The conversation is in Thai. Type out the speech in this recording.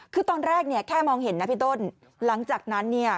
คือตอนแรกเนี่ยแค่มองเห็นนะพี่ต้นหลังจากนั้นเนี่ย